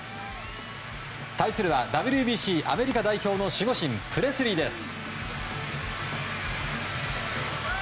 対するはＷＢＣアメリカ代表の守護神プレスリーです。